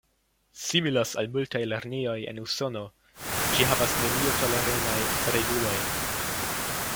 Similas al multaj lernejoj en usono, ĝi havas nenio-toleremaj reguloj.